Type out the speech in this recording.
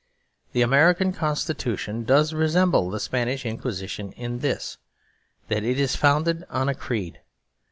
The American Constitution does resemble the Spanish Inquisition in this: that it is founded on a creed.